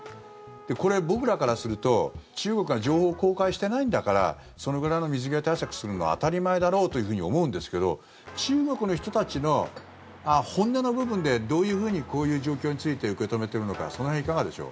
これ、僕らからすると中国が情報を公開していないんだからそのぐらいの水際対策するのは当たり前だろうと思うんですけど中国の人たちの本音の部分でどういうふうにこういう状況について受け止めているのかその辺、いかがでしょう。